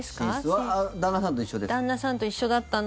旦那さんと一緒ですか？